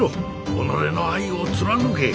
己の愛を貫け。